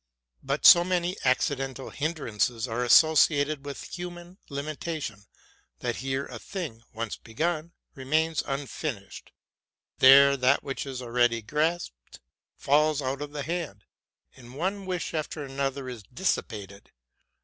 But so many accidental hinderances are associ ated with human limitation, that here a thing, once begun, remains unfinished: there that which is already grasped falls out of the hand, and one wish after another is dissipated.